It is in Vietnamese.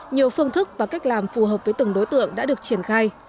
nhiều phương thức và cách làm phù hợp với từng đối tượng đã được triển khai